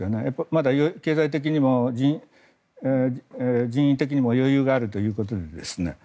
まだ経済的にも人員的にも余裕があるということで。